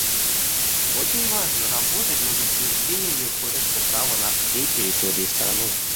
Очень важно работать над утверждением верховенства права на всей территории страны.